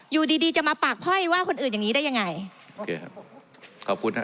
อยู่ดีดีจะมาปากพ้อยว่าคนอื่นอย่างนี้ได้ยังไงโอเคครับขอบคุณฮะ